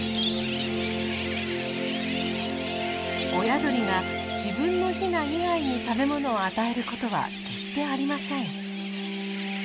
親鳥が自分のヒナ以外に食べ物を与えることは決してありません。